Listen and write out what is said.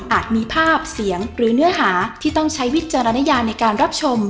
มีภาพเสียงหรือเนื้อหาที่ต้องใช้วิจารณญาในการรับชม